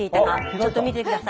ちょっと見て下さい。